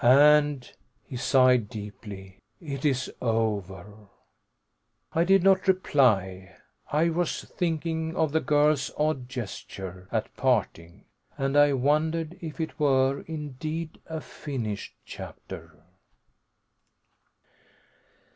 And" he sighed deeply "it is over." I did not reply. I was thinking of the girl's odd gesture, at parting, and I wondered if it were indeed a finished chapter.